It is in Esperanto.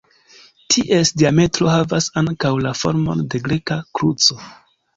Ties diametro havas ankaŭ la formon de greka kruco.